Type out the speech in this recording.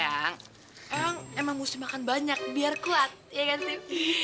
eyang eyang emang mesti makan banyak biar kuat ya kan tim